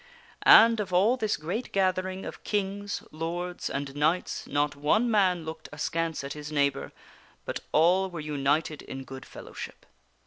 And of all Arthur held a this great gathering of kings, lords, and knights, not one on upo^Usk. man looked askance at his neighbor, but all were united in good fellowship.